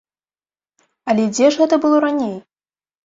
Але дзе ж гэта было раней?